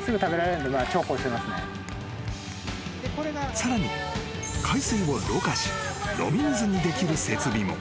［さらに海水をろ過し飲み水にできる設備も］